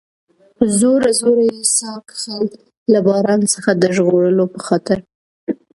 په زوره زوره یې ساه کښل، له باران څخه د ژغورلو په خاطر.